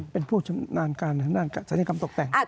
เป็นผู้ชำนานการศาลีกรรมตกแต่ง